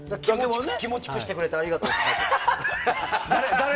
気持ちくしてくれてありがとうって。